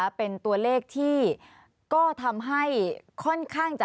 ไม่ถึงตอนนั้นหนูเห็นคุณนายหยิบเงินให้